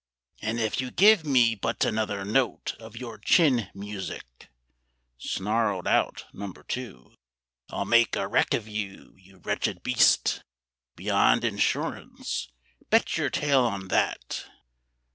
"And if you give me but another note Of your chin music," snarled out Number Two, "I'll make a wreck of you, you wretched beast, Beyond insurance—bet your tail on that!"